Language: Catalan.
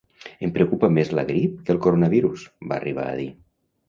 “Em preocupa més la grip que el coronavirus”, va arribar a dir.